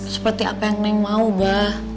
sama yang neng mau ba